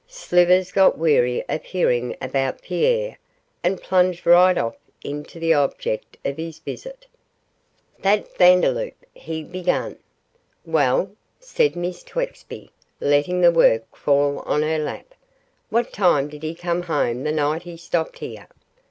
Slivers got weary of hearing about Pierre, and plunged right off into the object of his visit. 'That Vandeloup,' he began. 'Well?' said Miss Twexby, letting the work fall on her lap. 'What time did he come home the night he stopped here?